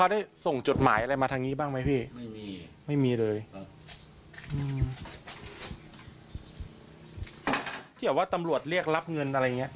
ที่สร้างประโยชน์